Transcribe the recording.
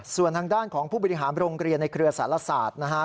ส่วนทางด้านของผู้บริหารโรงเรียนในเครือสารศาสตร์นะฮะ